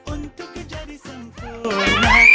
untuk ke jadi sempurna